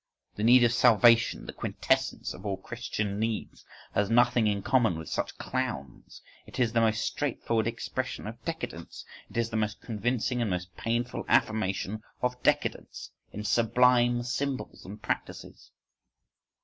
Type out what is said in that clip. —The need of salvation, the quintessence of all Christian needs, has nothing in common with such clowns; it is the most straightforward expression of decadence, it is the most convincing and most painful affirmation of decadence, in sublime symbols and practices.